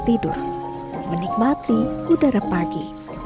tidur menikmati udara pagi